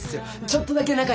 ちょっとだけ中に。